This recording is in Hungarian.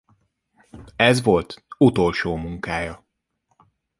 Ez volt utolsó munkája.